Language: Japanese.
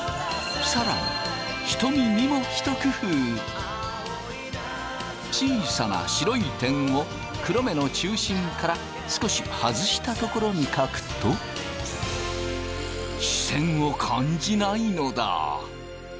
更に小さな白い点を黒目の中心から少し外したところに描くと視線を感じないのだ。